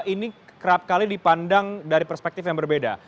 ini kerap kali dipandang dari perspektif yang berbeda